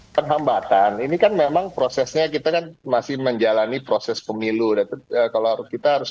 perhambatan ini kan memang prosesnya kita kan masih menjalani proses pemilu kalau harus kita harus